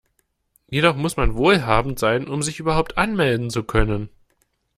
Jedoch muss man wohlhabend sein, um sich überhaupt anmelden zu können.